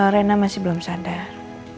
rena masih belum sadar